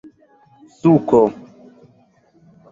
suko